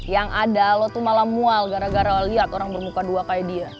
yang ada lo tuh malam mual gara gara lihat orang bermuka dua kayak dia